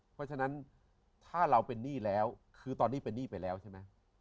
เพราะฉะนั้นถ้าเราเป็นหนี้แล้วคือตอนนี้เป็นหนี้ไปแล้วใช่ไหม